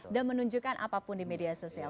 dan menunjukkan apapun di media sosial